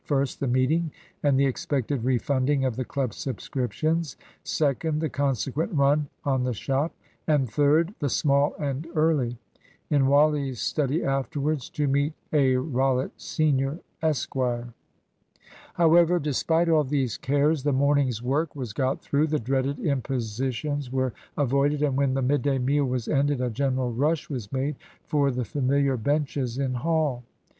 First, the meeting, and the expected refunding of the Club subscriptions; second, the consequent run on the shop; and third, the "small and early" in Wally's study afterwards to meet A. Rollitt, Senior, Esq. However, despite all these cares, the morning's work was got through, the dreaded impositions were avoided, and when the midday meal was ended a general rush was made for the familiar benches in Hall.